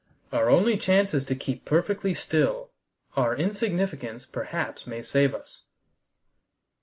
Our only chance is to keep perfectly still. Our insignificance perhaps may save us."